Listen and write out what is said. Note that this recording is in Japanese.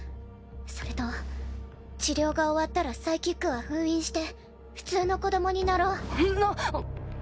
それと治療が終わったらサイキックは封印して普通の子どもになろうなっ！